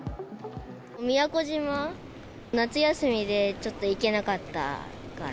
宮古島、夏休みでちょっと行けなかったから。